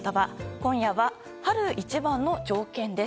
今夜は春一番の条件です。